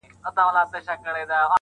چي يوه لپه ښكلا يې راته راكړه.